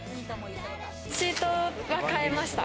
シートは替えました。